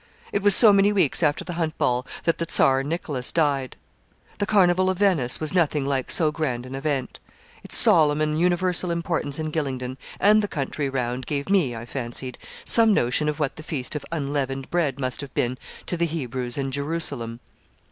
It was so many weeks after the Hunt Ball that the Czar Nicholas died. The Carnival of Venice was nothing like so grand an event. Its solemn and universal importance in Gylingden and the country round, gave me, I fancied, some notion of what the feast of unleavened bread must have been to the Hebrews and Jerusalem.